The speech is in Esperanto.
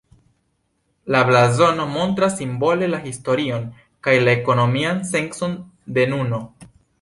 La blazono montras simbole la historion kaj la ekonomian sencon de nuno.